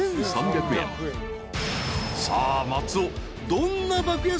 ［さあ松尾］